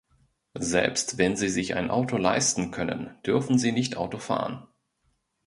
Selbst wenn sie sich ein Auto leisten können, dürfen sie nicht Auto fahren.